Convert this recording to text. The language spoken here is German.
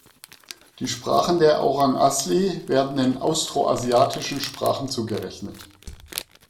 Die Sprachen der Orang Asli werden den austroasiatischen Sprachen zugerechnet.